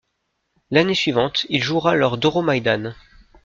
L'année suivante il jouera lors d'Euromaïdan.